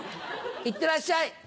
いってらっしゃい！